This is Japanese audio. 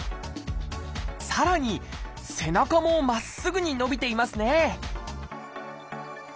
さらに背中もまっすぐに伸びていますね